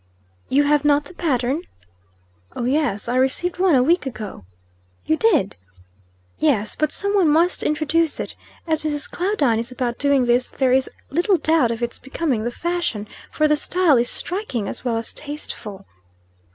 "You have not the pattern?" "Oh, yes. I received one a week ago." "You did!" "Yes. But some one must introduce it. As Mrs. Claudine is about doing this there is little doubt of its becoming the fashion, for the style is striking as well as tasteful."